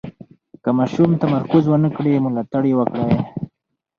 که ماشوم تمرکز ونه کړي، ملاتړ یې وکړئ.